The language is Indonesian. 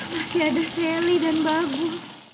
masih ada sally dan bagu